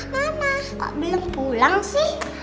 mama kok belum pulang sih